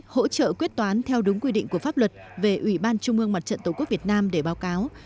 hỗ trợ quyết toán theo đúng quy định của pháp luật về ủy ban trung ương mặt trận tổ quốc việt nam để báo cáo